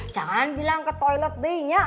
jangan bilang ke toilet deinya